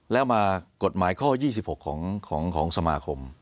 แล้วมากฎหมายข้อ๒๖ของสมาคม